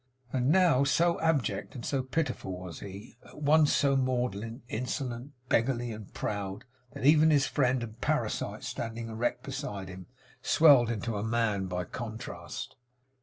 And now so abject and so pitiful was he at once so maudlin, insolent, beggarly, and proud that even his friend and parasite, standing erect beside him, swelled into a Man by contrast.